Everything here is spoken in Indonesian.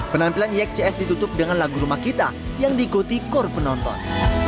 penampilan yek cs ditutup dengan lagu rumah kita yang diikuti core penonton